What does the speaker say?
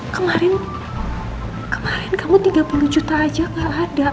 kemarin kemarin kamu tiga puluh juta aja gak ada